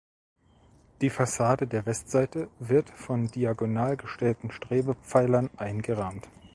Die Fassade der Westseite wird von diagonal gestellten Strebepfeilern eingerahmt.